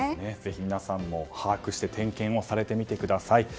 皆さんも把握して点検をされてみてください。